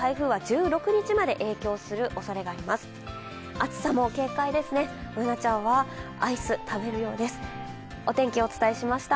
暑さも警戒ですね、Ｂｏｏｎａちゃんはアイスを食べるようです。